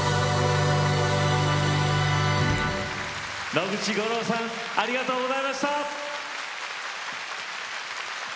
野口五郎さんありがとうございました。